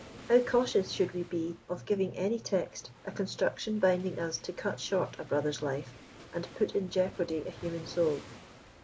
How cautious should we be of giving any text a construction binding us to cut short a brother's life, and "put in jeopardy a human soul!"